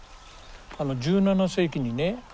あの１７世紀にね